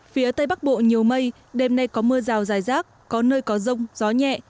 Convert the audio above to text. phía tây bắc bộ nhiều mây đêm nay có mưa rào dài rác có nơi có rông gió nhẹ